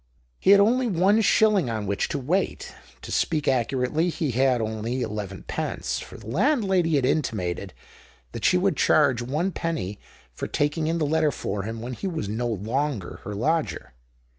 He had only one shilling on which to wait ; to speak accurately, he had only elevenpence, for the landlady had intimated that she would charge one penny for taking in the letter for him when he was no longer her lodger.